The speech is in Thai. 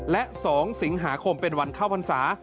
และ๒สิงหาคมเป็นวันเข้าพรรษา